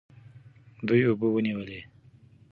دوی اوبه ونیولې.